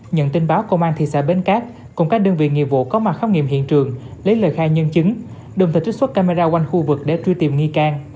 nhận tin báo công an thị xã bến cát cùng các đơn vị nghiệp vụ có mặt khám nghiệm hiện trường lấy lời khai nhân chứng đồng thời trích xuất camera quanh khu vực để truy tìm nghi can